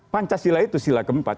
pancasila itu sila keempat